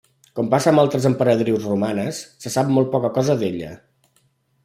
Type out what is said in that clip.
Com passa amb altres emperadrius romanes, se sap molt poca cosa d'ella.